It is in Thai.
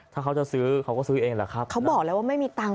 ถ้าเขาจะซื้อเขาก็ซื้อเองแหละครับเขาบอกแล้วว่าไม่มีตังค์